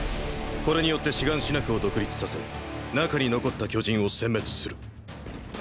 これによってシガンシナ区を独立させ中に残った巨人を殲滅する。